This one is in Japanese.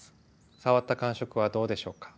触った感触はどうでしょうか？